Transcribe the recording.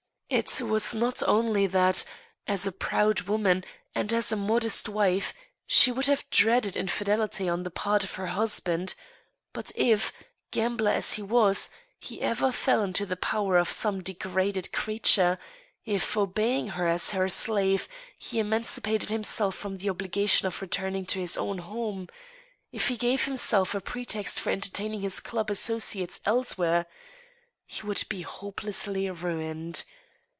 It was not only that, as a proud woman and a modest wife, she would have dreaded infidelity on the part of her husband, but if, gambler as he was, he ever fell into the power of some degraded creature — if, obeying her as her slave, he emancipated himself from the obligation of returning to his own home — ^if he gave himself a pretext for entertaining his club associates elsewhere — he would be hopelessly ruined.